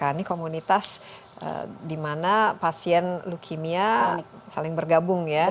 ini komunitas dimana pasien leukemia saling bergabung ya